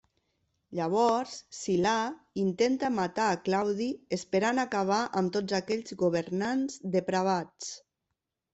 Llavors, Silà intenta matar a Claudi esperant acabar amb tots aquells governants depravats.